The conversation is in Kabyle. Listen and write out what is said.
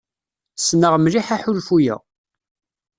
Ssneɣ mliḥ aḥulfu-a.